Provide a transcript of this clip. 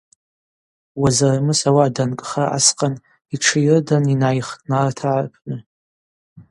Уазармыс ауаъа данкӏха асхъан йтшы йырдан йнайхтӏ нартргӏа рпны.